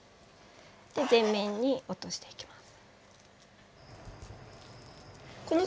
で全面に落としていきます。